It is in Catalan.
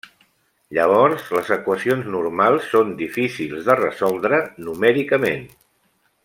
Llavors les equacions normals són difícils de resoldre numèricament.